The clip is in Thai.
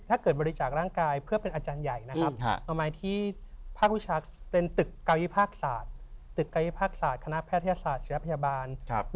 ถ้าเกิดบริจาคร่างกายเพื่อเป็นอาจารย์ใหญ่นะครับ